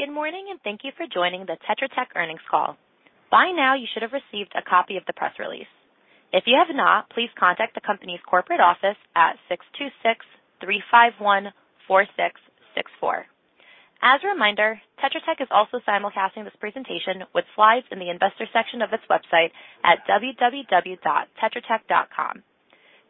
Good morning, and thank you for joining the Tetra Tech earnings call. By now, you should have received a copy of the press release. If you have not, please contact the company's corporate office at 626-351-4664. As a reminder, Tetra Tech is also simulcasting this presentation with slides in the investor section of its website at www.tetratech.com.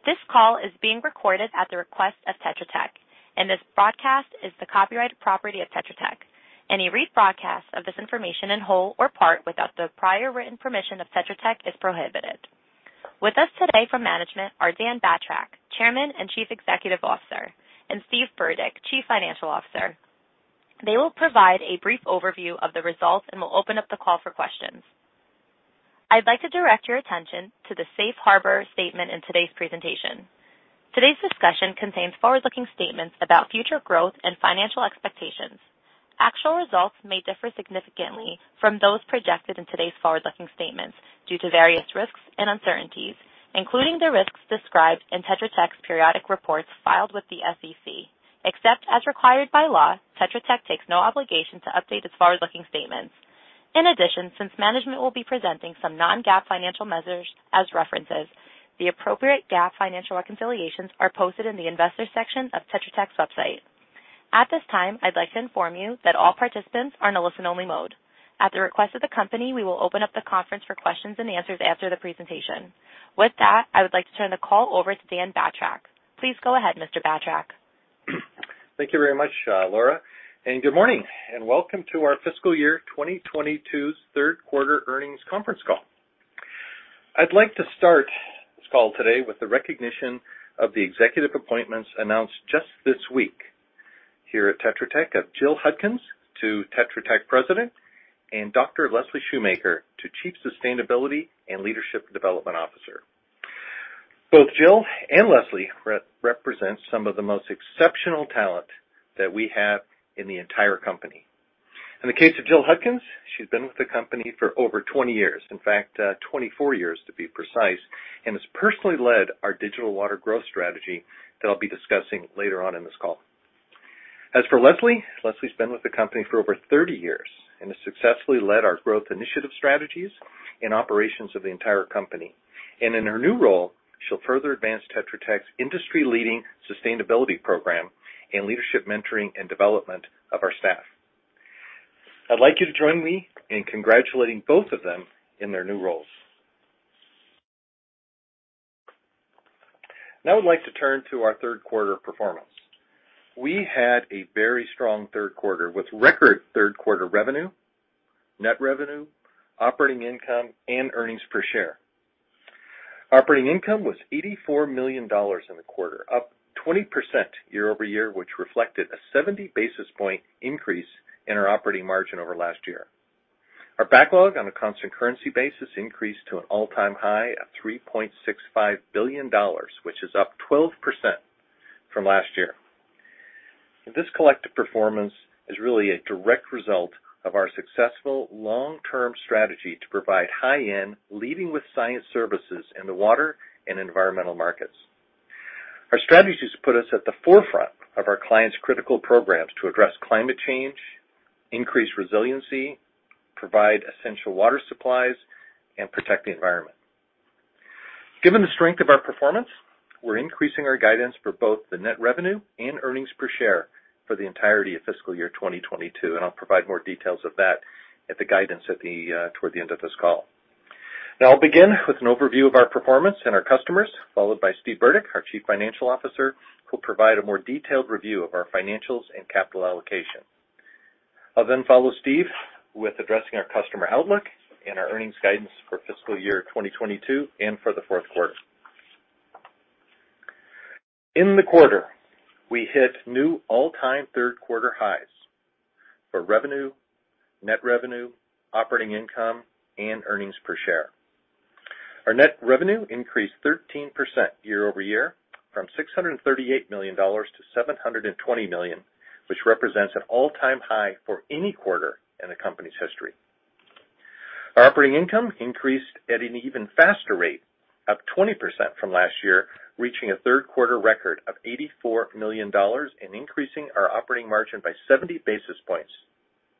This call is being recorded at the request of Tetra Tech, and this broadcast is the copyright property of Tetra Tech. Any rebroadcast of this information in whole or part without the prior written permission of Tetra Tech is prohibited. With us today from management are Dan Batrack, Chairman and Chief Executive Officer, and Steve Burdick, Chief Financial Officer. They will provide a brief overview of the results and will open up the call for questions. I'd like to direct your attention to the safe harbor statement in today's presentation. Today's discussion contains forward-looking statements about future growth and financial expectations. Actual results may differ significantly from those projected in today's forward-looking statements due to various risks and uncertainties, including the risks described in Tetra Tech's periodic reports filed with the SEC. Except as required by law, Tetra Tech takes no obligation to update its forward-looking statements. In addition, since management will be presenting some non-GAAP financial measures as references, the appropriate GAAP financial reconciliations are posted in the investor section of Tetra Tech's website. At this time, I'd like to inform you that all participants are in a listen-only mode. At the request of the company, we will open up the conference for questions and answers after the presentation. With that, I would like to turn the call over to Dan Batrack. Please go ahead, Mr. Batrack. Thank you very much, Laura, and good morning, and welcome to our fiscal year 2022's third quarter earnings conference call. I'd like to start this call today with the recognition of the executive appointments announced just this week here at Tetra Tech of Jill Hudkins to Tetra Tech President and Dr. Leslie Shoemaker to Chief Sustainability and Leadership Development Officer. Both Jill and Leslie represents some of the most exceptional talent that we have in the entire company. In the case of Jill Hudkins, she's been with the company for over 20 years. In fact, 24 years to be precise, and has personally led our Digital Water growth strategy that I'll be discussing later on in this call. As for Leslie's been with the company for over 30 years and has successfully led our growth initiative strategies and operations of the entire company. In her new role, she'll further advance Tetra Tech's industry-leading sustainability program and leadership mentoring and development of our staff. I'd like you to join me in congratulating both of them in their new roles. Now I'd like to turn to our third quarter performance. We had a very strong third quarter with record third quarter revenue, net revenue, operating income, and earnings per share. Operating income was $84 million in the quarter, up 20% year-over-year, which reflected a 70 basis point increase in our operating margin over last year. Our backlog on a constant currency basis increased to an all-time high of $3.65 billion, which is up 12% from last year. This collective performance is really a direct result of our successful long-term strategy to provide high-end leading with science services in the water and environmental markets. Our strategies put us at the forefront of our clients' critical programs to address climate change, increase resiliency, provide essential water supplies, and protect the environment. Given the strength of our performance, we're increasing our guidance for both the net revenue and earnings per share for the entirety of fiscal year 2022, and I'll provide more details of that at the guidance at the, toward the end of this call. Now I'll begin with an overview of our performance and our customers, followed by Steve Burdick, our Chief Financial Officer, who'll provide a more detailed review of our financials and capital allocation. I'll then follow Steve with addressing our customer outlook and our earnings guidance for fiscal year 2022 and for the fourth quarter. In the quarter, we hit new all-time third-quarter highs for revenue, net revenue, operating income, and earnings per share. Our net revenue increased 13% year-over-year from $638 million to $720 million, which represents an all-time high for any quarter in the company's history. Our operating income increased at an even faster rate, up 20% from last year, reaching a third-quarter record of $84 million and increasing our operating margin by 70 basis points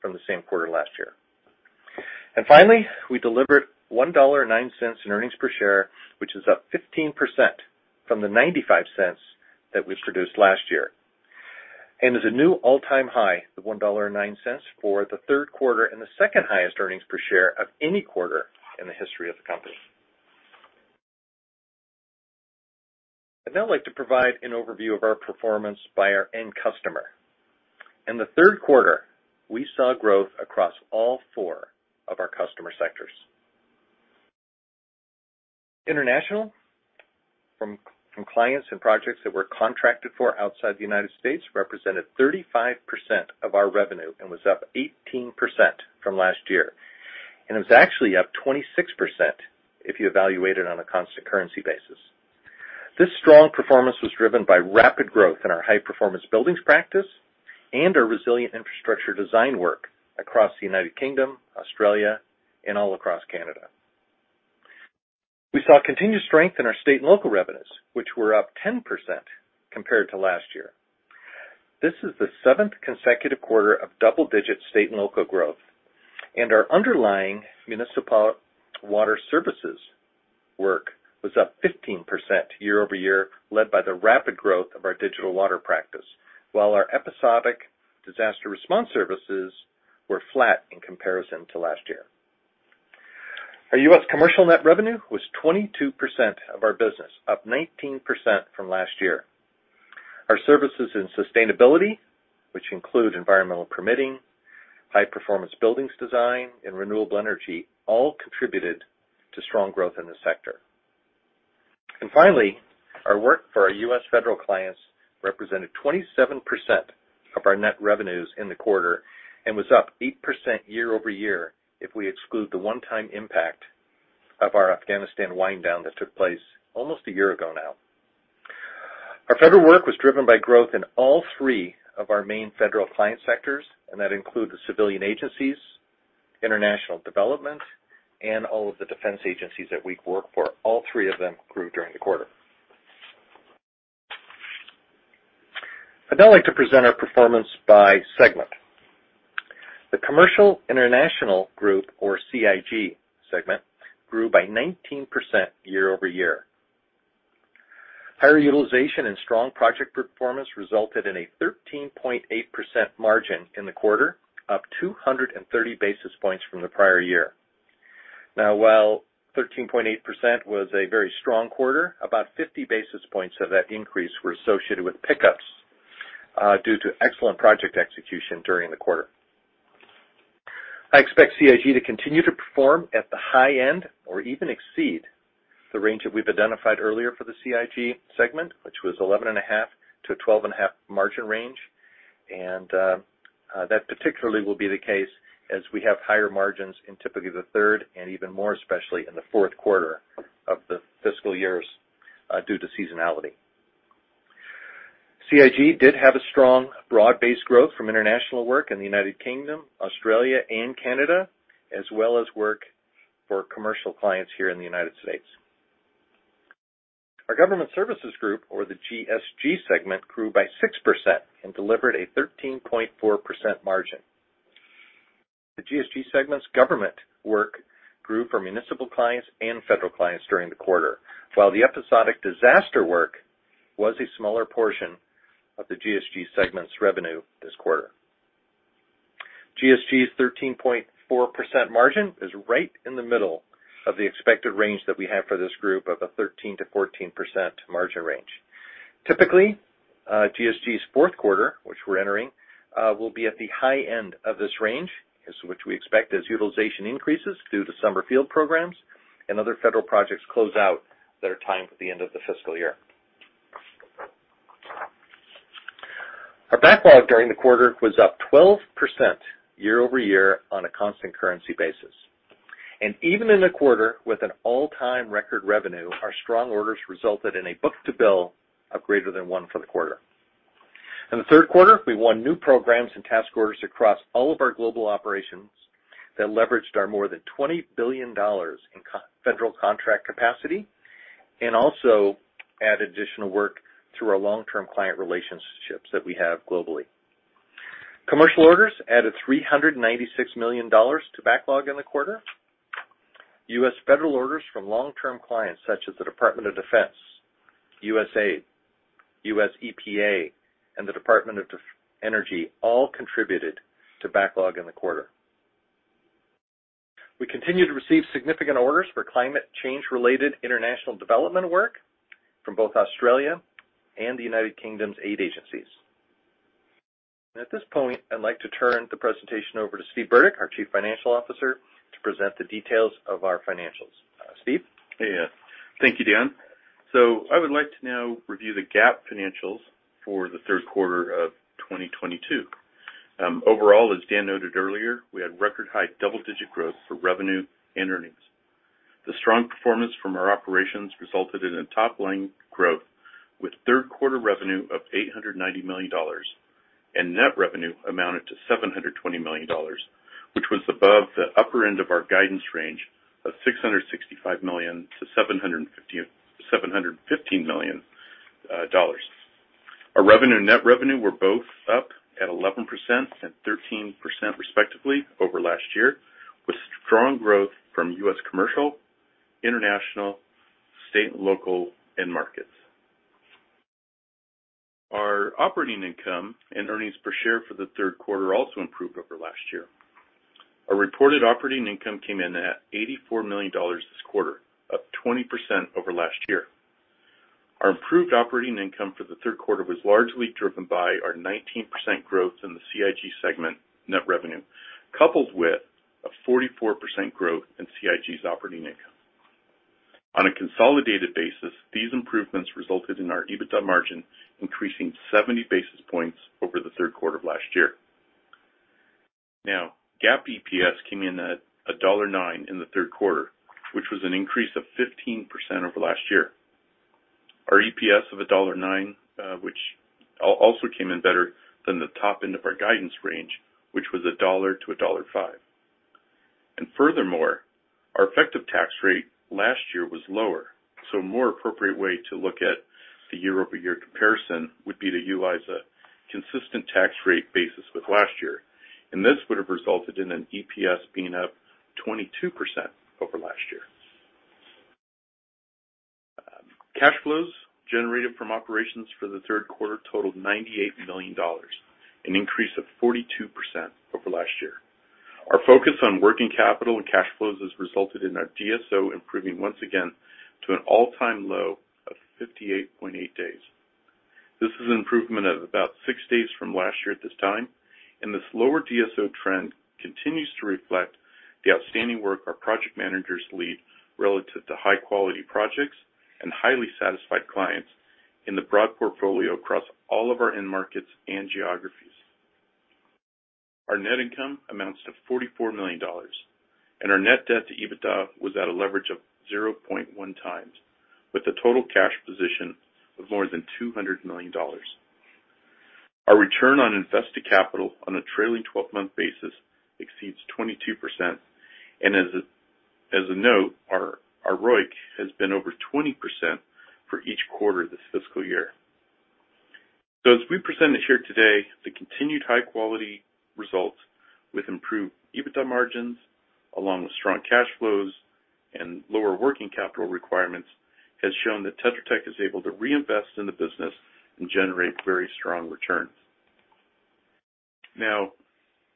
from the same quarter last year. Finally, we delivered $1.09 in earnings per share, which is up 15% from the $0.95 that we produced last year. Is a new all-time high of $1.09 for the third quarter and the second highest earnings per share of any quarter in the history of the company. I'd now like to provide an overview of our performance by our end customer. In the third quarter, we saw growth across all four of our customer sectors. International, from clients and projects that were contracted for outside the United States, represented 35% of our revenue and was up 18% from last year, and it was actually up 26% if you evaluate it on a constant currency basis. This strong performance was driven by rapid growth in our high-performance buildings practice and our resilient infrastructure design work across the United Kingdom, Australia, and all across Canada. We saw continued strength in our state and local revenues, which were up 10% compared to last year. This is the seventh consecutive quarter of double-digit state and local growth, and our underlying municipal water services work was up 15% year-over-year, led by the rapid growth of our Digital Water practice. While our episodic disaster response services were flat in comparison to last year. Our U.S. commercial net revenue was 22% of our business, up 19% from last year. Our services in sustainability, which include environmental permitting, high-performance buildings design, and renewable energy, all contributed to strong growth in this sector. Finally, our work for our U.S. federal clients represented 27% of our net revenues in the quarter and was up 8% year-over-year if we exclude the one-time impact of our Afghanistan wind down that took place almost a year ago now. Our federal work was driven by growth in all three of our main federal client sectors, and that include the civilian agencies, international development, and all of the defense agencies that we work for. All three of them grew during the quarter. I'd now like to present our performance by segment. The Commercial/International Group or CIG segment grew by 19% year-over-year. Higher utilization and strong project performance resulted in a 13.8% margin in the quarter, up 230 basis points from the prior year. Now while 13.8% was a very strong quarter, about 50 basis points of that increase were associated with pickups, due to excellent project execution during the quarter. I expect CIG to continue to perform at the high end or even exceed the range that we've identified earlier for the CIG segment, which was 11.5%-12.5% margin range. That particularly will be the case as we have higher margins in typically the third and even more especially in the fourth quarter of the fiscal years, due to seasonality. CIG did have a strong broad-based growth from international work in the United Kingdom, Australia, and Canada, as well as work for commercial clients here in the United States. Our Government Services Group or the GSG segment grew by 6% and delivered a 13.4% margin. The GSG segment's government work grew for municipal clients and federal clients during the quarter. While the episodic disaster work was a smaller portion of the GSG segment's revenue this quarter. GSG's 13.4% margin is right in the middle of the expected range that we have for this group of a 13%-14% margin range. Typically, GSG's fourth quarter, which we're entering, will be at the high end of this range, which we expect as utilization increases due to summer field programs and other federal projects close out that are timed at the end of the fiscal year. Our backlog during the quarter was up 12% year-over-year on a constant currency basis. Even in the quarter with an all-time record revenue, our strong orders resulted in a book-to-bill of greater than one for the quarter. In the third quarter, we won new programs and task orders across all of our global operations that leveraged our more than $20 billion in our federal contract capacity and also added additional work through our long-term client relationships that we have globally. Commercial orders added $396 million to backlog in the quarter. U.S. federal orders from long-term clients such as the Department of Defense, USAID, USEPA, and the Department of Energy, all contributed to backlog in the quarter. We continue to receive significant orders for climate change related international development work from both Australia and the United Kingdom's aid agencies. At this point, I'd like to turn the presentation over to Steve Burdick, our Chief Financial Officer, to present the details of our financials. Steve? Yeah. Thank you, Dan. I would like to now review the GAAP financials for the third quarter of 2022. Overall, as Dan noted earlier, we had record high double-digit growth for revenue and earnings. The strong performance from our operations resulted in a top-line growth with third quarter revenue of $890 million, and net revenue amounted to $720 million, which was above the upper end of our guidance range of $665 million-$715 million. Our revenue and net revenue were both up at 11% and 13% respectively over last year, with strong growth from U.S. commercial, international, state and local, and markets. Our operating income and earnings per share for the third quarter also improved over last year. Our reported operating income came in at $84 million this quarter, up 20% over last year. Our improved operating income for the third quarter was largely driven by our 19% growth in the CIG segment net revenue, coupled with a 44% growth in CIG's operating income. On a consolidated basis, these improvements resulted in our EBITDA margin increasing 70 basis points over the third quarter of last year. Now, GAAP EPS came in at $1.09 in the third quarter, which was an increase of 15% over last year. Our EPS of $1.09, which also came in better than the top end of our guidance range, which was $1-$1.05. Furthermore, our effective tax rate last year was lower. A more appropriate way to look at the year-over-year comparison would be to utilize a consistent tax rate basis with last year. This would have resulted in an EPS being up 22% over last year. Cash flows generated from operations for the third quarter totaled $98 million, an increase of 42% over last year. Our focus on working capital and cash flows has resulted in our DSO improving once again to an all-time low of 58.8 days. This is an improvement of about six days from last year at this time, and this lower DSO trend continues to reflect the outstanding work our project managers lead relative to high-quality projects and highly satisfied clients in the broad portfolio across all of our end markets and geographies. Our net income amounts to $44 million, and our net debt to EBITDA was at a leverage of 0.1x, with a total cash position of more than $200 million. Our return on invested capital on a trailing twelve-month basis exceeds 22%. As a note, our ROIC has been over 20% for each quarter this fiscal year. As we presented here today, the continued high-quality results with improved EBITDA margins, along with strong cash flows and lower working capital requirements, has shown that Tetra Tech is able to reinvest in the business and generate very strong returns. Now,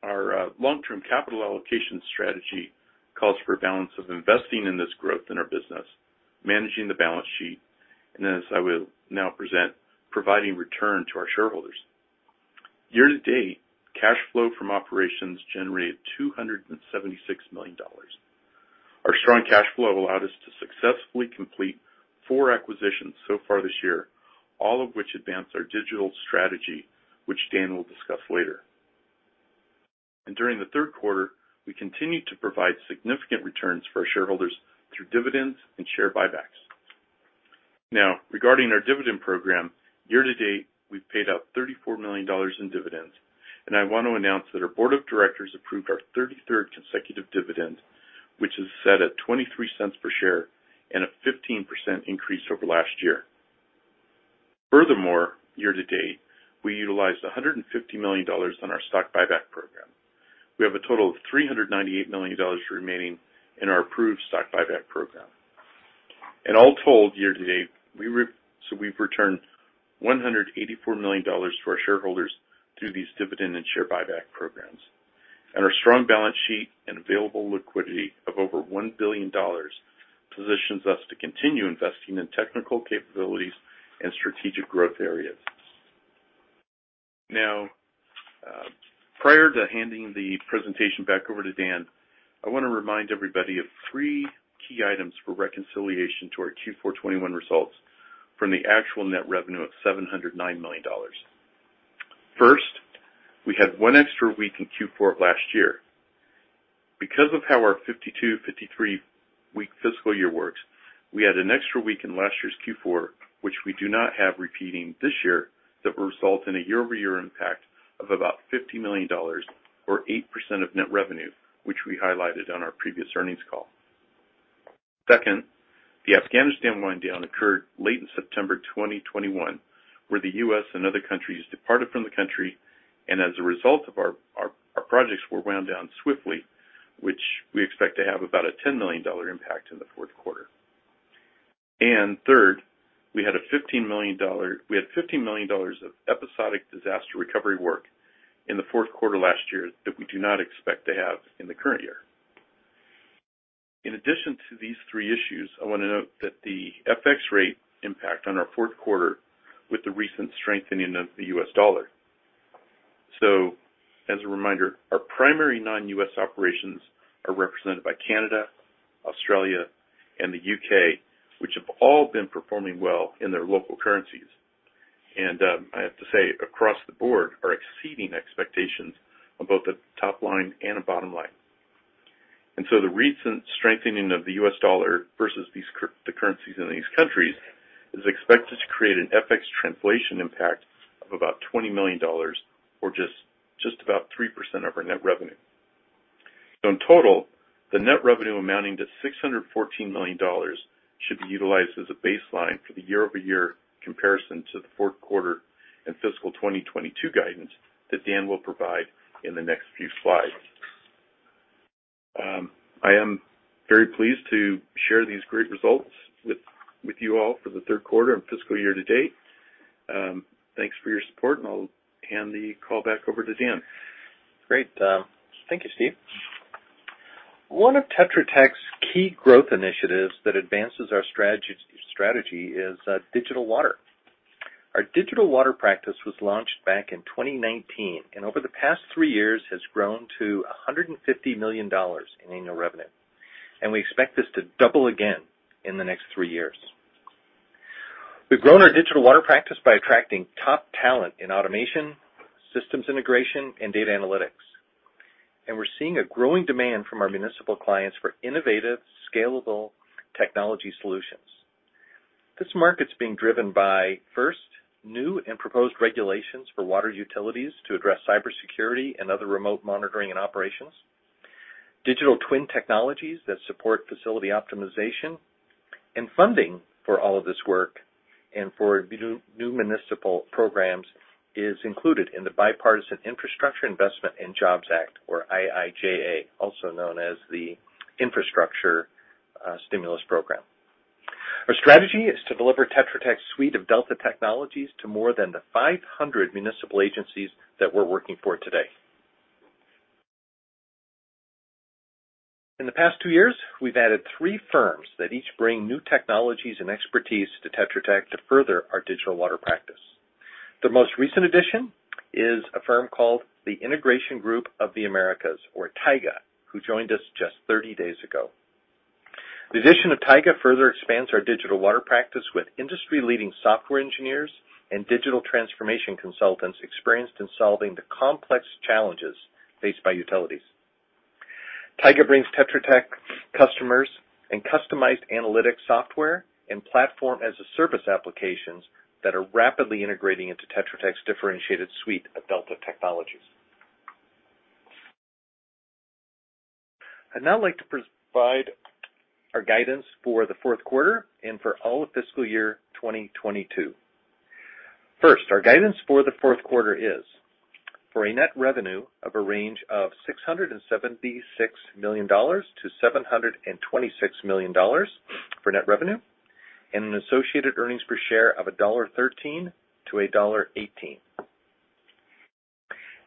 our long-term capital allocation strategy calls for a balance of investing in this growth in our business, managing the balance sheet, and as I will now present, providing return to our shareholders. Year-to-date, cash flow from operations generated $276 million. Our strong cash flow allowed us to successfully complete four acquisitions so far this year, all of which advance our digital strategy, which Dan will discuss later. During the third quarter, we continued to provide significant returns for our shareholders through dividends and share buybacks. Now, regarding our dividend program, year-to-date, we've paid out $34 million in dividends, and I wanna announce that our board of directors approved our 33rd consecutive dividend, which is set at $0.23 per share and a 15% increase over last year. Furthermore, year-to-date, we utilized $150 million on our stock buyback program. We have a total of $398 million remaining in our approved stock buyback program. In all told, year-to-date, so we've returned $184 million to our shareholders through these dividend and share buyback programs. Our strong balance sheet and available liquidity of over $1 billion positions us to continue investing in technical capabilities and strategic growth areas. Now, prior to handing the presentation back over to Dan, I wanna remind everybody of three key items for reconciliation to our Q4 2021 results from the actual net revenue of $709 million. First, we had one extra week in Q4 of last year. Because of how our 52/53-week fiscal year works, we had an extra week in last year's Q4, which we do not have repeating this year, that will result in a year-over-year impact of about $50 million or 8% of net revenue, which we highlighted on our previous earnings call. Second, the Afghanistan wind down occurred late in September 2021, where the U.S. and other countries departed from the country, and as a result of our projects were wound down swiftly, which we expect to have about a $10 million impact in the fourth quarter. Third, we had $15 million of episodic disaster recovery work in the fourth quarter last year that we do not expect to have in the current year. In addition to these three issues, I wanna note that the FX rate impact on our fourth quarter with the recent strengthening of the U.S. dollar. As a reminder, our primary non-US operations are represented by Canada, Australia, and the U.K., which have all been performing well in their local currencies, and I have to say, across the board, are exceeding expectations on both the top line and bottom line. The recent strengthening of the U.S. dollar versus the currencies in these countries is expected to create an FX translation impact of about $20 million or just about 3% of our net revenue. In total, the net revenue amounting to $614 million should be utilized as a baseline for the year-over-year comparison to the fourth quarter and fiscal 2022 guidance that Dan will provide in the next few slides. I am very pleased to share these great results with you all for the third quarter and fiscal year-to-date. Thanks for your support, and I'll hand the call back over to Dan. Great. Thank you, Steve. One of Tetra Tech's key growth initiatives that advances our strategy is Digital Water. Our Digital Water practice was launched back in 2019, and over the past three years has grown to $150 million in annual revenue. We expect this to double again in the next three years. We've grown our Digital Water practice by attracting top talent in automation, systems integration, and data analytics. We're seeing a growing demand from our municipal clients for innovative, scalable technology solutions. This market's being driven by, first, new and proposed regulations for water utilities to address cybersecurity and other remote monitoring and operations, digital twin technologies that support facility optimization, and funding for all of this work and for new municipal programs is included in the Bipartisan Infrastructure Investment and Jobs Act, or IIJA, also known as the Infrastructure Stimulus Program. Our strategy is to deliver Tetra Tech's suite of Delta technologies to more than the 500 municipal agencies that we're working for today. In the past two years, we've added three firms that each bring new technologies and expertise to Tetra Tech to further our Digital Water practice. The most recent addition is a firm called The Integration Group of the Americas, or TIGA, who joined us just 30 days ago. The addition of TIGA further expands our Digital Water practice with industry-leading software engineers and digital transformation consultants experienced in solving the complex challenges faced by utilities. TIGA brings Tetra Tech customers and customized analytics software and platform-as-a-service applications that are rapidly integrating into Tetra Tech's differentiated suite of Delta technologies. I'd now like to provide our guidance for the fourth quarter and for all of fiscal year 2022. First, our guidance for the fourth quarter is for a net revenue of a range of $676 million-$726 million for net revenue and an associated earnings per share of $1.13-$1.18.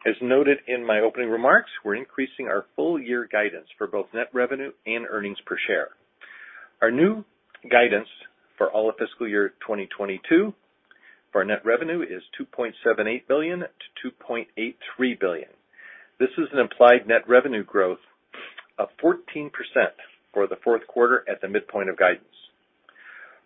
As noted in my opening remarks, we're increasing our full year guidance for both net revenue and earnings per share. Our new guidance for all of fiscal year 2022 for our net revenue is $2.78 billion-$2.83 billion. This is an implied net revenue growth of 14% for the fourth quarter at the midpoint of guidance.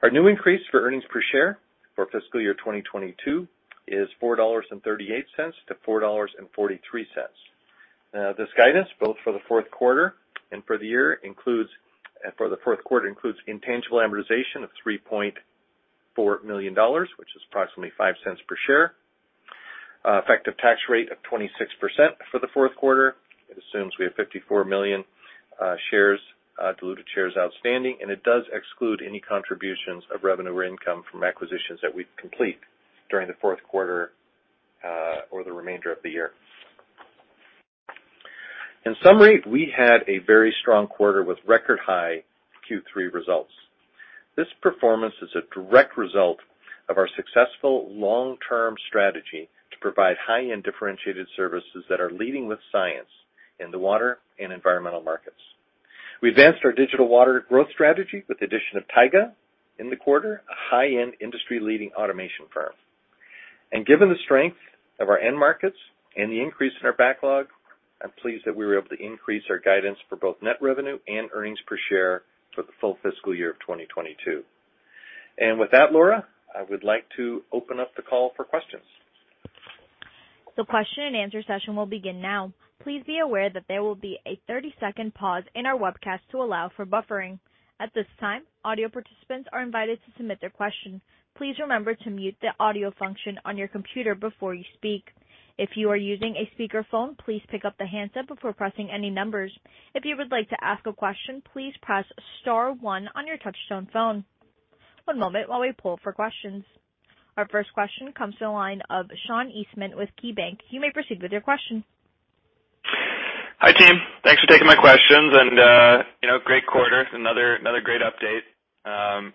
Our new guidance for earnings per share for fiscal year 2022 is $4.38-$4.43. This guidance, both for the fourth quarter and for the year, includes for the fourth quarter intangible amortization of $3.4 million, which is approximately $0.05 per share. Effective tax rate of 26% for the fourth quarter. It assumes we have 54 million shares, diluted shares outstanding, and it does exclude any contributions of revenue or income from acquisitions that we complete during the fourth quarter or the remainder of the year. In summary, we had a very strong quarter with record high Q3 results. This performance is a direct result of our successful long-term strategy to provide high-end differentiated services that are leading with science in the water and environmental markets. We've advanced our Digital Water growth strategy with the addition of TIGA in the quarter, a high-end industry-leading automation firm. Given the strength of our end markets and the increase in our backlog, I'm pleased that we were able to increase our guidance for both net revenue and earnings per share for the full fiscal year of 2022. With that, Laura, I would like to open up the call for questions. The question-and-answer session will begin now. Please be aware that there will be a 30-second pause in our webcast to allow for buffering. At this time, audio participants are invited to submit their question. Please remember to mute the audio function on your computer before you speak. If you are using a speakerphone, please pick up the handset before pressing any numbers. If you would like to ask a question, please press star one on your touch-tone phone. One moment while we pull for questions. Our first question comes to the line of Sean Eastman with KeyBanc Capital Markets. You may proceed with your question. Hi, team. Thanks for taking my questions. You know, great quarter. Another great update.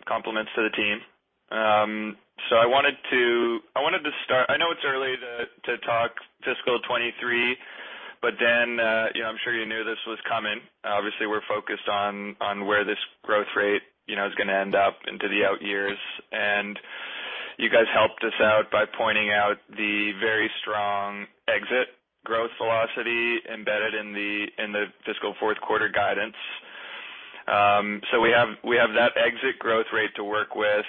Compliments to the team. I wanted to start. I know it's early to talk fiscal 2023, but you know, I'm sure you knew this was coming. Obviously, we're focused on where this growth rate, you know, is gonna end up into the out years. You guys helped us out by pointing out the very strong exit growth velocity embedded in the fiscal fourth quarter guidance. We have that exit growth rate to work with.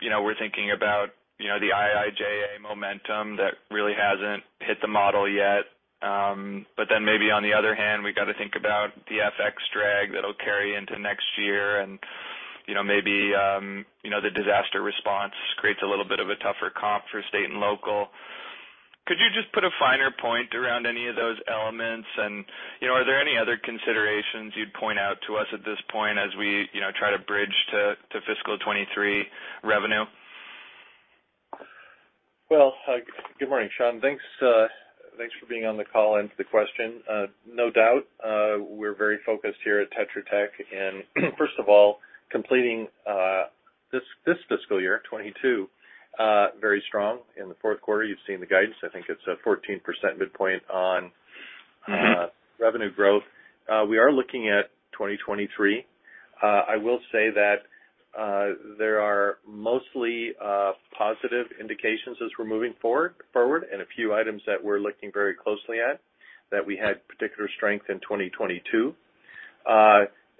You know, we're thinking about, you know, the IIJA momentum that really hasn't hit the model yet. Maybe on the other hand, we've got to think about the FX drag that'll carry into next year and, you know, maybe, the disaster response creates a little bit of a tougher comp for state and local. Could you just put a finer point around any of those elements? You know, are there any other considerations you'd point out to us at this point as we, you know, try to bridge to fiscal 2023 revenue? Well, good morning, Sean. Thanks for being on the call and for the question. No doubt, we're very focused here at Tetra Tech in, first of all, completing this fiscal year 2022 very strong. In the fourth quarter, you've seen the guidance. I think it's a 14% midpoint on revenue growth. We are looking at 2023. I will say that there are mostly positive indications as we're moving forward and a few items that we're looking very closely at that we had particular strength in 2022.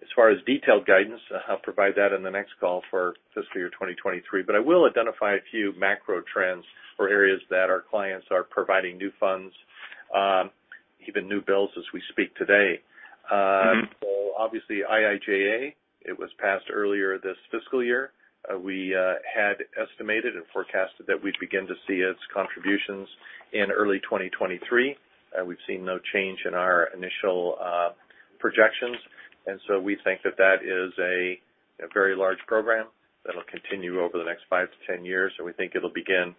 As far as detailed guidance, I'll provide that in the next call for fiscal year 2023. I will identify a few macro trends for areas that our clients are providing new funds, even new bills as we speak today. Obviously IIJA, it was passed earlier this fiscal year. We had estimated and forecasted that we'd begin to see its contributions in early 2023. We've seen no change in our initial projections. We think that that is a very large program that'll continue over the next five to 10 years, and we think it'll begin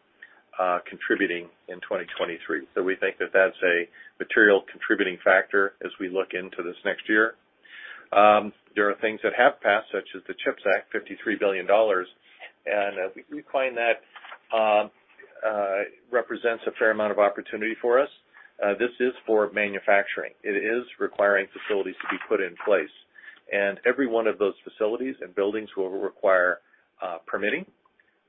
contributing in 2023. We think that that's a material contributing factor as we look into this next year. There are things that have passed, such as the CHIPS Act, $53 billion. We find that represents a fair amount of opportunity for us. This is for manufacturing. It is requiring facilities to be put in place. Every one of those facilities and buildings will require permitting.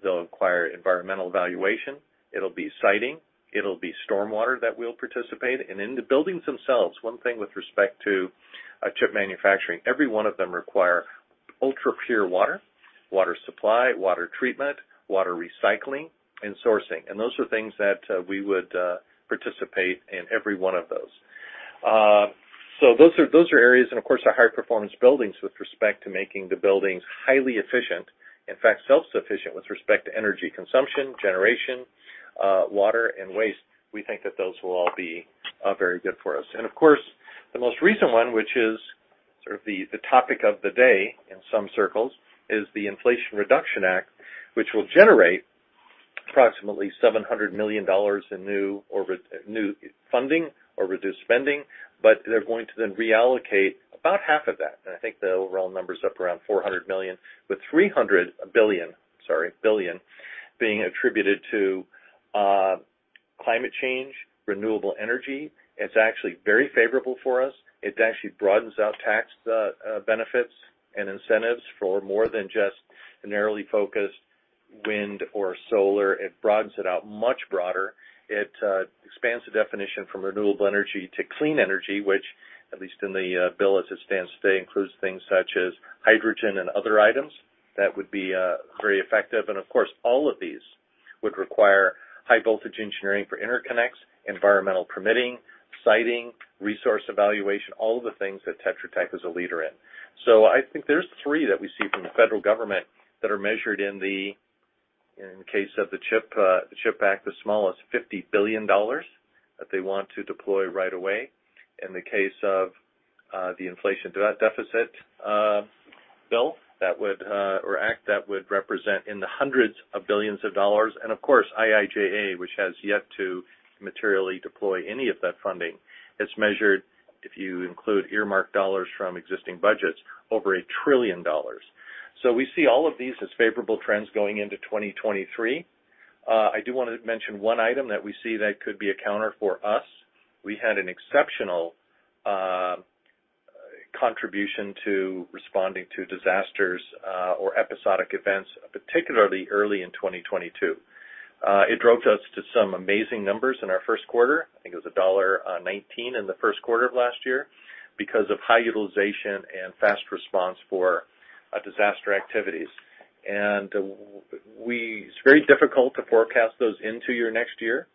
They'll require environmental evaluation. It'll be siting. It'll be stormwater that we'll participate. In the buildings themselves, one thing with respect to chip manufacturing, every one of them require ultrapure water supply, water treatment, water recycling, and sourcing. Those are things that we would participate in every one of those. Those are areas, and of course, our high-performance buildings with respect to making the buildings highly efficient, in fact, self-sufficient with respect to energy consumption, generation, water, and waste. We think that those will all be very good for us. Of course, the most recent one, which is sort of the topic of the day in some circles, is the Inflation Reduction Act, which will generate approximately $700 million in new funding or reduced spending. They’re going to then reallocate about half of that, and I think the overall number’s up around $400 billion, with $300 billion being attributed to climate change, renewable energy. It’s actually very favorable for us. It actually broadens out tax benefits and incentives for more than just narrowly focused wind or solar. It broadens it out much broader. It expands the definition from renewable energy to clean energy, which at least in the bill as it stands today, includes things such as hydrogen and other items that would be very effective. Of course, all of these would require high voltage engineering for interconnects, environmental permitting, siting, resource evaluation, all of the things that Tetra Tech is a leader in. I think there's three that we see from the federal government that are measured in the case of the CHIPS Act, the smallest $50 billion that they want to deploy right away. In the case of the Inflation Reduction Act that would represent hundreds of billions of dollars. Of course, IIJA, which has yet to materially deploy any of that funding, it's measured, if you include earmarked dollars from existing budgets, over $1 trillion. We see all of these as favorable trends going into 2023. I do wanna mention one item that we see that could be a counter for us. We had an exceptional contribution to responding to disasters or episodic events, particularly early in 2022. It drove us to some amazing numbers in our first quarter. I think it was $1.19 in the first quarter of last year because of high utilization and fast response for disaster activities. It's very difficult to forecast those into your next year.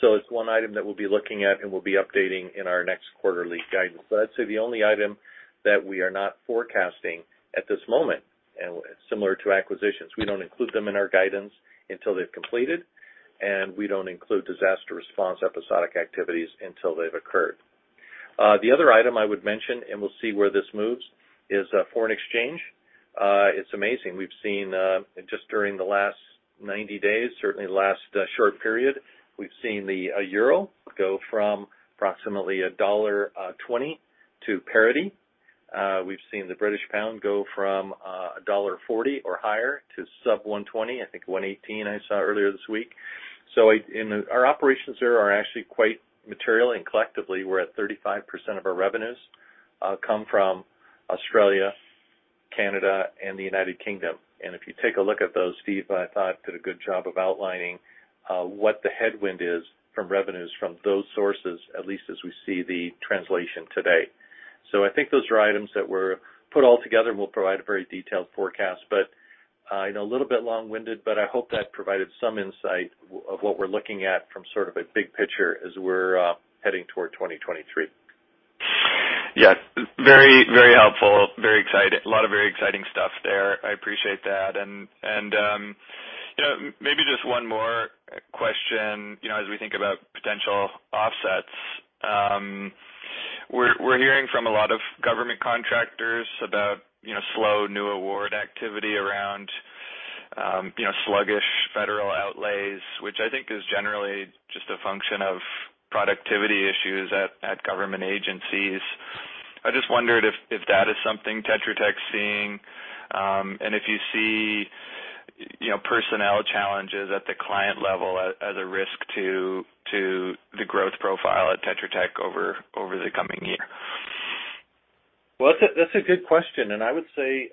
It's one item that we'll be looking at and we'll be updating in our next quarterly guidance. I'd say the only item that we are not forecasting at this moment, and similar to acquisitions, we don't include them in our guidance until they've completed, and we don't include disaster response episodic activities until they've occurred. The other item I would mention, and we'll see where this moves, is foreign exchange. It's amazing. We've seen just during the last 90 days, certainly the last short period, we've seen the euro go from approximately $1.20 to parity. We've seen the British pound go from $1.40 or higher to sub $1.20. I think $1.18 I saw earlier this week. In our operations there are actually quite material, and collectively, we're at 35% of our revenues come from Australia, Canada, and the United Kingdom. If you take a look at those, Steve, I thought did a good job of outlining what the headwind is from revenues from those sources, at least as we see the translation today. I think those are items that were put all together, and we'll provide a very detailed forecast. I know a little bit long-winded, but I hope that provided some insight of what we're looking at from sort of a big picture as we're heading toward 2023. Yes. Very, very helpful. Very exciting. A lot of very exciting stuff there. I appreciate that. Maybe just one more question. You know, as we think about potential offsets, we're hearing from a lot of government contractors about, you know, slow new award activity around, you know, sluggish federal outlays, which I think is generally just a function of productivity issues at government agencies. I just wondered if that is something Tetra Tech's seeing, and if you see, you know, personnel challenges at the client level as a risk to the growth profile at Tetra Tech over the coming year. Well, that's a good question. I would say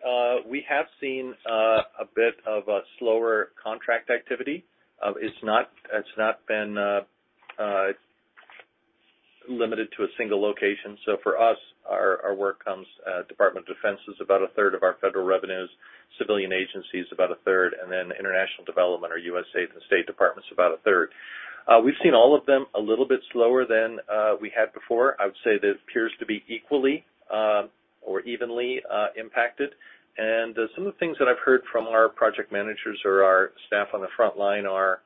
we have seen a bit of a slower contract activity. It's not been limited to a single location. For us, our work comes. U.S. Department of Defense is about a third of our federal revenues, civilian agencies about a third, and then international development or USAID and U.S. Department of State's about a third. We've seen all of them a little bit slower than we had before. I would say it appears to be equally or evenly impacted. Some of the things that I've heard from our project managers or our staff on the front line are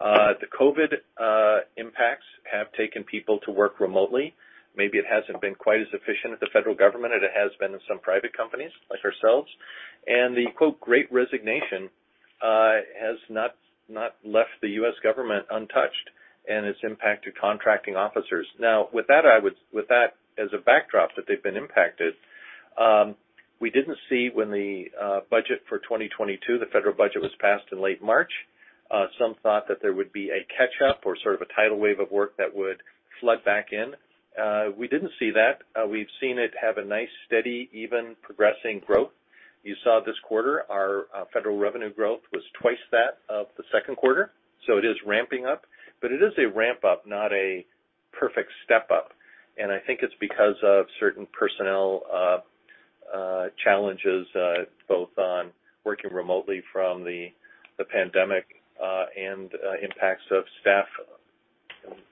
the COVID impacts have taken people to work remotely. Maybe it hasn't been quite as efficient at the federal government as it has been in some private companies like ourselves. The Great Resignation has not left the U.S. government untouched and has impacted contracting officers. Now, with that as a backdrop that they've been impacted, we didn't see when the budget for 2022, the federal budget was passed in late March, some thought that there would be a catch-up or sort of a tidal wave of work that would flood back in. We didn't see that. We've seen it have a nice, steady, even progressing growth. You saw this quarter, our federal revenue growth was twice that of the second quarter. It is ramping up, but it is a ramp up, not a perfect step up. I think it's because of certain personnel challenges both on working remotely from the pandemic and impacts of staff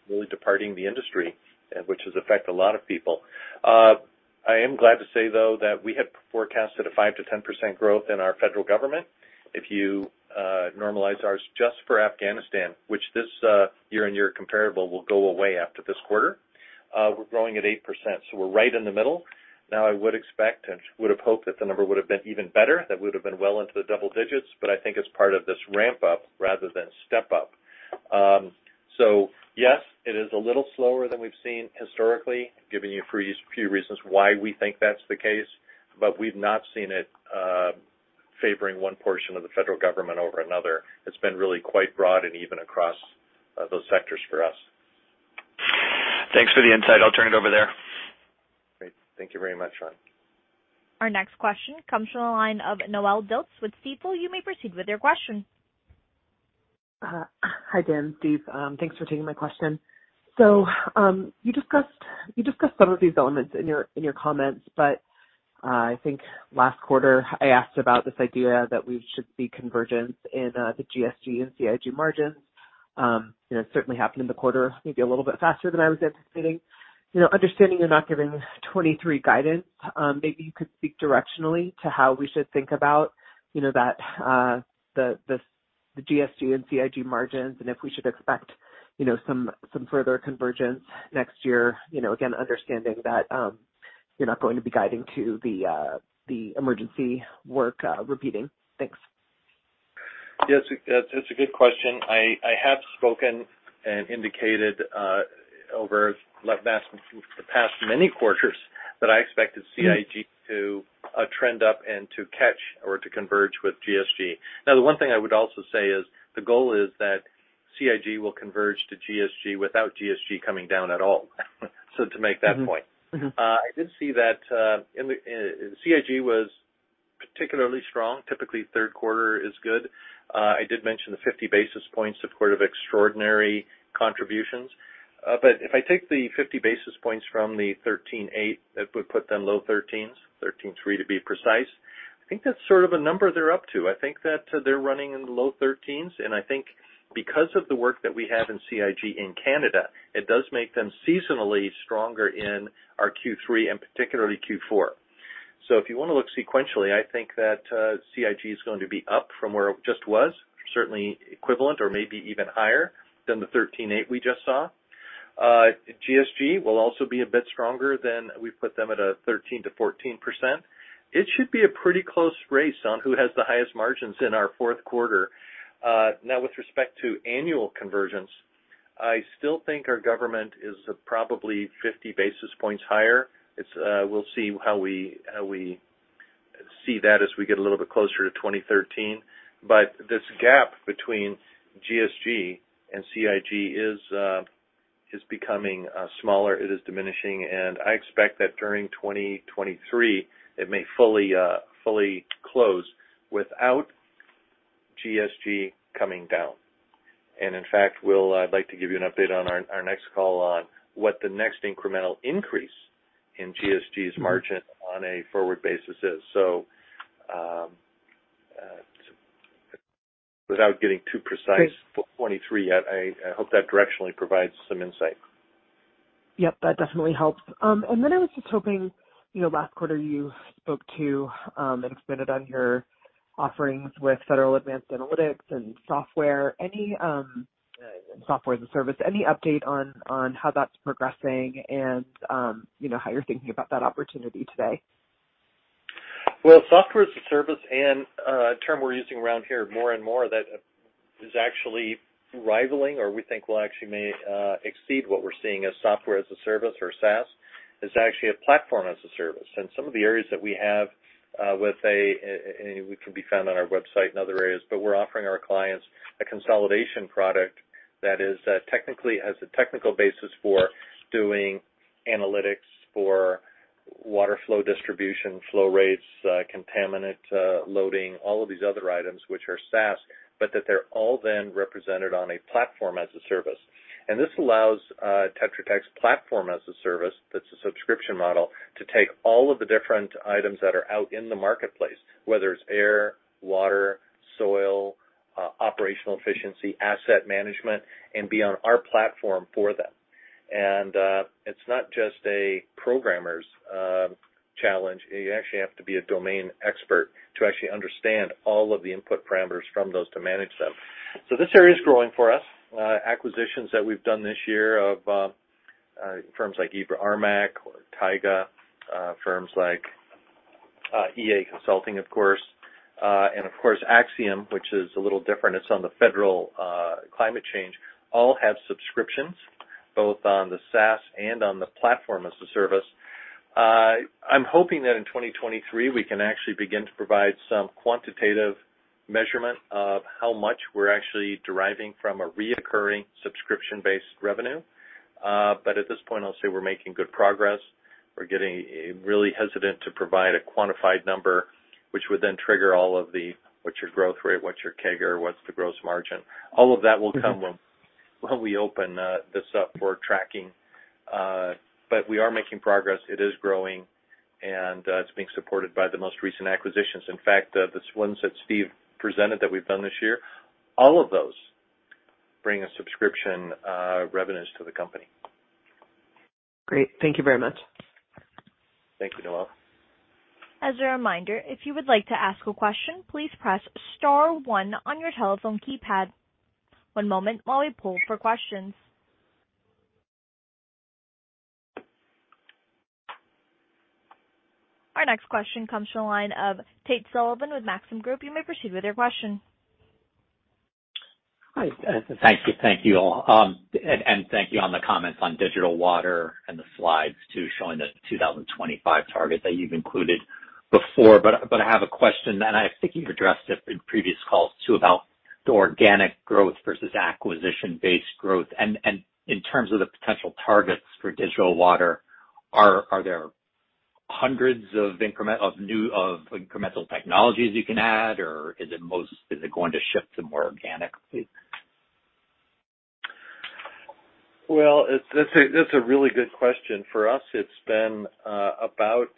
really departing the industry which has affected a lot of people. I am glad to say, though, that we had forecasted a 5%-10% growth in our federal government. If you normalize ours just for Afghanistan, which this year-on-year comparable will go away after this quarter, we're growing at 8%, so we're right in the middle. Now, I would expect and would have hoped that the number would have been even better, that we would have been well into the double digits. I think it's part of this ramp up rather than step up. Yes, it is a little slower than we've seen historically, giving you a few reasons why we think that's the case. We've not seen it favoring one portion of the federal government over another. It's been really quite broad and even across those sectors for us. Thanks for the insight. I'll turn it over there. Great. Thank you very much, Sean Eastman. Our next question comes from the line of Noelle Dilts with Stifel. You may proceed with your question. Hi, Dan, Steve. Thanks for taking my question. You discussed some of these elements in your comments, but I think last quarter I asked about this idea that we should see convergence in the GSG and CIG margins. It certainly happened in the quarter, maybe a little bit faster than I was anticipating. You know, understanding you're not giving 2023 guidance, maybe you could speak directionally to how we should think about, you know, that the GSG and CIG margins and if we should expect, you know, some further convergence next year. You know, again, understanding that you're not going to be guiding to the emergency work repeating. Thanks. Yes, it's a good question. I have spoken and indicated over the past many quarters that I expected CIG to trend up and to catch or to converge with GSG. Now, the one thing I would also say is the goal is that CIG will converge to GSG without GSG coming down at all. To make that point. I did see that in the CIG was particularly strong. Typically, third quarter is good. I did mention the 50 basis points of sort of extraordinary contributions. If I take the 50 basis points from the 13.8%, that would put them low 13s, 13.3% to be precise. I think that's sort of a number they're up to. I think that they're running in the low 13s. I think because of the work that we have in CIG in Canada, it does make them seasonally stronger in our Q3 and particularly Q4. If you want to look sequentially, I think that CIG is going to be up from where it just was, certainly equivalent or maybe even higher than the 13.8% we just saw. GSG will also be a bit stronger than we put them at 13%-14%. It should be a pretty close race on who has the highest margins in our fourth quarter. Now with respect to annual convergence, I still think our government is probably 50 basis points higher. It's, we'll see how we see that as we get a little bit closer to 2013. This gap between GSG and CIG is becoming smaller. It is diminishing. I expect that during 2023 it may fully close without GSG coming down. In fact, I'd like to give you an update on our next call on what the next incremental increase in GSG's margin on a forward basis is. Without getting too precise for 2023 yet, I hope that directionally provides some insight. Yep, that definitely helps. Then I was just hoping, you know, last quarter you spoke to and expanded on your offerings with federal advanced analytics and software. Any software as a service, any update on how that's progressing and, you know, how you're thinking about that opportunity today? Well, software as a service and a term we're using around here more and more that is actually rivaling or we think will actually may exceed what we're seeing as software as a service or SaaS is actually a platform as a service. Some of the areas that we have which can be found on our website and other areas, but we're offering our clients a consolidation product that is technically has a technical basis for doing analytics for water flow distribution, flow rates, contaminant loading, all of these other items which are SaaS, but that they're all then represented on a platform as a service. This allows Tetra Tech's platform as a service, that's a subscription model, to take all of the different items that are out in the marketplace, whether it's air, water, soil, operational efficiency, asset management, and be on our platform for them. It's not just a programmer's challenge. You actually have to be a domain expert to actually understand all of the input parameters from those to manage them. This area is growing for us. Acquisitions that we've done this year of firms like Amyx or TIGA, firms like Enterprise Automation, of course. Of course, Axiom, which is a little different. It's on the federal climate change, all have subscriptions both on the SaaS and on the platform as a service. I'm hoping that in 2023 we can actually begin to provide some quantitative measurement of how much we're actually deriving from a recurring subscription-based revenue. At this point, I'll say we're making good progress. We're getting really hesitant to provide a quantified number, which would then trigger all of the, what's your growth rate, what's your CAGR, what's the gross margin? All of that will come when we open this up for tracking. We are making progress. It is growing, and it's being supported by the most recent acquisitions. In fact, the ones that Steve presented that we've done this year, all of those bring a subscription revenues to the company. Great. Thank you very much. Thank you, Noelle. As a reminder, if you would like to ask a question, please press star one on your telephone keypad. One moment while we poll for questions. Our next question comes from the line of Tate Sullivan with Maxim Group. You may proceed with your question. Hi, thank you. Thank you all, and thank you on the comments on Digital Water and the slides too, showing the 2025 target that you've included before. I have a question, and I think you've addressed it in previous calls too, about the organic growth versus acquisition-based growth. In terms of the potential targets for Digital Water, are there hundreds of incremental technologies you can add, or is it going to shift to more organic, please? Well, it's a really good question. For us, it's been about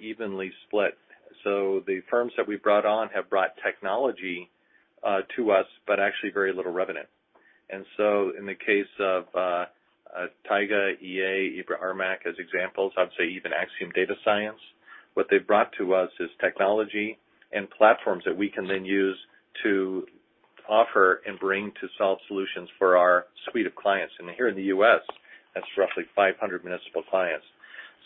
evenly split. The firms that we brought on have brought technology to us, but actually very little revenue. In the case of TIGA, EA, Amyx as examples, I'd say even Axiom Data Science, what they've brought to us is technology and platforms that we can then use to offer and bring to solve solutions for our suite of clients. Here in the U.S., that's roughly 500 municipal clients.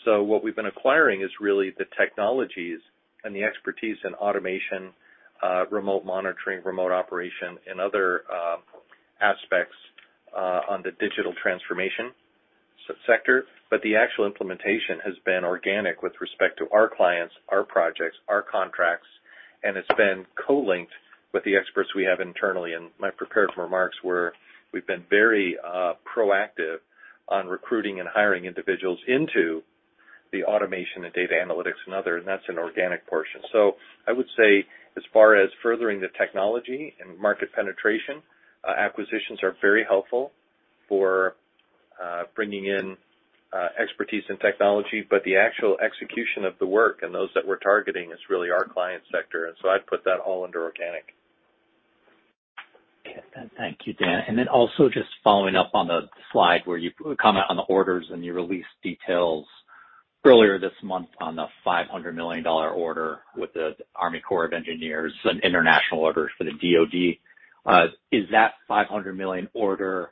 What we've been acquiring is really the technologies and the expertise in automation, remote monitoring, remote operation and other aspects on the digital transformation subsector. The actual implementation has been organic with respect to our clients, our projects, our contracts, and it's been co-linked with the experts we have internally. My prepared remarks were we've been very proactive on recruiting and hiring individuals into the automation and data analytics and other, and that's an organic portion. I would say as far as furthering the technology and market penetration, acquisitions are very helpful for bringing in expertise and technology. The actual execution of the work and those that we're targeting is really our client sector. I'd put that all under organic. Okay. Thank you, Dan. also just following up on the slide where you comment on the orders and you released details earlier this month on the $500 million order with the U.S. Army Corps of Engineers and international orders for the DoD. Is that $500 million order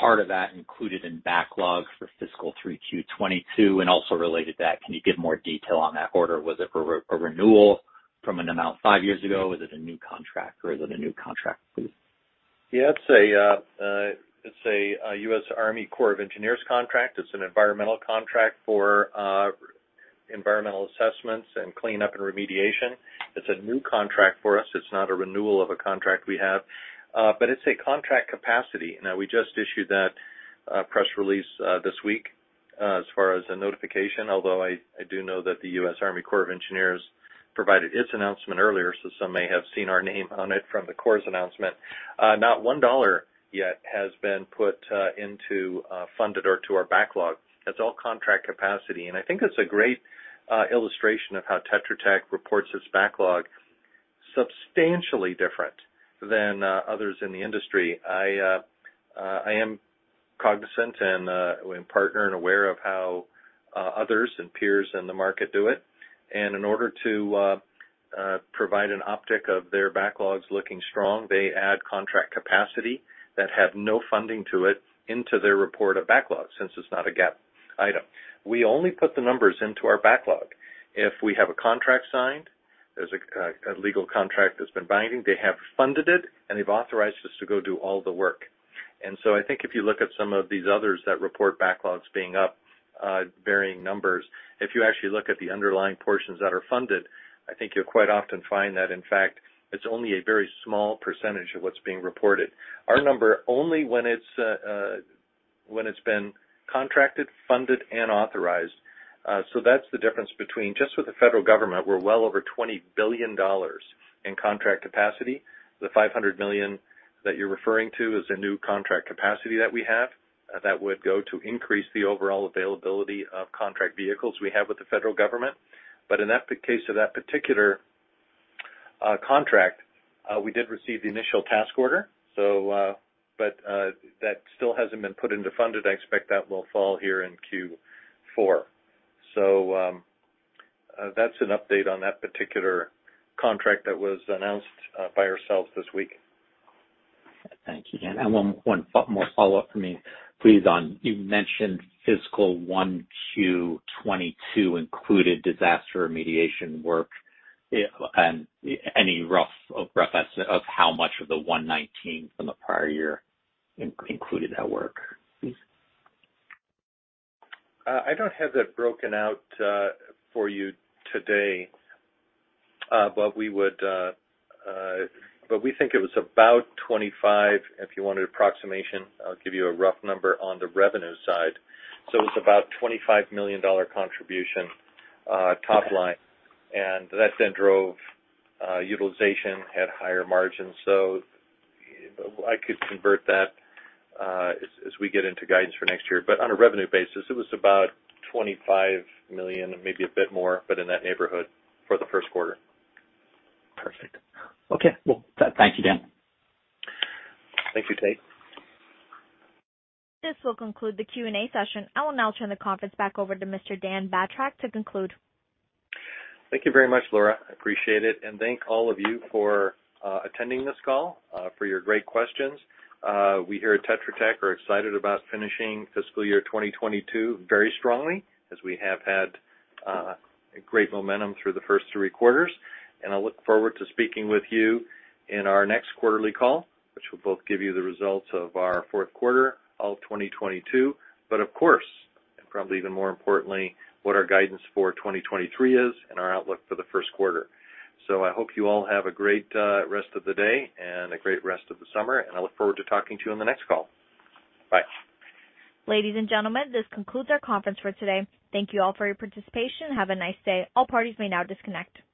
part of that included in backlog for fiscal 3Q 2022? Also related to that, can you give more detail on that order? Was it a renewal from an amount five years ago? Was it a new contract, or is it a new contract, please? Yeah, it's a U.S. Army Corps of Engineers contract. It's an environmental contract for environmental assessments and cleanup and remediation. It's a new contract for us. It's not a renewal of a contract we have. But it's a contract capacity. Now, we just issued that press release this week as far as a notification. Although I do know that the U.S. Army Corps of Engineers provided its announcement earlier, so some may have seen our name on it from the Corps' announcement. Not one dollar yet has been put into funded or to our backlog. It's all contract capacity. I think it's a great illustration of how Tetra Tech reports its backlog substantially different than others in the industry. I am cognizant and aware of how others and peers in the market do it. In order to provide an optics of their backlogs looking strong, they add contract capacity that have no funding to it into their report of backlogs since it's not a GAAP item. We only put the numbers into our backlog if we have a contract signed, there's a legal contract that's been binding, they have funded it, and they've authorized us to go do all the work. I think if you look at some of these others that report backlogs being up varying numbers, if you actually look at the underlying portions that are funded, I think you'll quite often find that in fact it's only a very small percentage of what's being reported. When it's been contracted, funded, and authorized. That's the difference between just with the federal government; we're well over $20 billion in contract capacity. The $500 million that you're referring to is a new contract capacity that we have that would go to increase the overall availability of contract vehicles we have with the federal government. In that case of that particular contract, we did receive the initial task order, but that still hasn't been put into funded. I expect that will fall here in Q4. That's an update on that particular contract that was announced by ourselves this week. Thank you. One more follow-up for me, please, on, you mentioned fiscal 1Q 2022 included disaster remediation work. Any rough estimate of how much of the $1.19 from the prior year included that work, please? I don't have that broken out for you today. We think it was about $25 million. If you want an approximation, I'll give you a rough number on the revenue side. It was about $25 million contribution, top line. That then drove utilization at higher margins. I could convert that, as we get into guidance for next year, but on a revenue basis, it was about $25 million, maybe a bit more, but in that neighborhood for the first quarter. Perfect. Okay. Well, thank you, Dan. Thank you, Tate. This will conclude the Q&A session. I will now turn the conference back over to Mr. Dan Batrack to conclude. Thank you very much, Laura. I appreciate it. Thank all of you for attending this call for your great questions. We here at Tetra Tech are excited about finishing fiscal year 2022 very strongly as we have had great momentum through the first three quarters. I look forward to speaking with you in our next quarterly call, which will both give you the results of our fourth quarter, all of 2022, but of course, and probably even more importantly, what our guidance for 2023 is and our outlook for the first quarter. I hope you all have a great rest of the day and a great rest of the summer, and I look forward to talking to you on the next call. Bye. Ladies and gentlemen, this concludes our conference for today. Thank you all for your participation. Have a nice day. All parties may now disconnect.